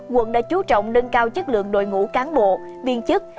quận đã chú trọng nâng cao chất lượng đội ngũ cán bộ viên chức